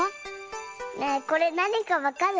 ねえこれなにかわかる？